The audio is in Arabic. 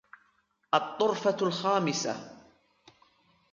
الطرفة الخامسة